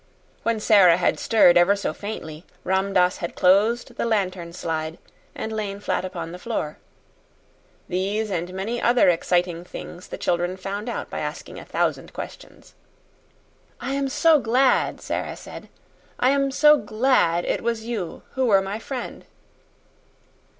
When Sara had stirred ever so faintly, Ram Dass had closed the lantern slide and lain flat upon the floor. These and many other exciting things the children found out by asking a thousand questions. "I am so glad," Sara said. "I am so GLAD it was you who were my friend!"